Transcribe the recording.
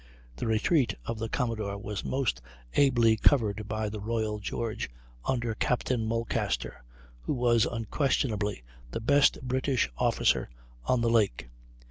The retreat of the commodore was most ably covered by the Royal George, under Captain Mulcaster, who was unquestionably the best British officer on the lake.